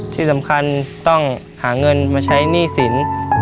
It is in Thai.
ที่สำคัญต้องหาเงินมาใช้หนี้สิน